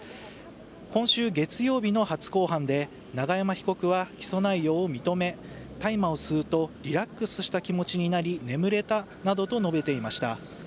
今週月曜日の初公判で永山被告は起訴内容を認め大麻を吸うとリラックスした気持ちになり眠れたなどと述べていました。